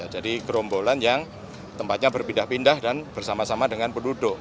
jadi kerombolan yang tempatnya berpindah pindah dan bersama sama dengan penduduk